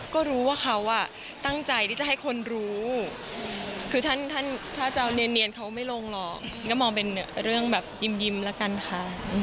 คือถ้าจะเอาเนียนเขาไม่ลงหรอกก็มองเป็นเรื่องแบบยิ่มแล้วกันค่ะ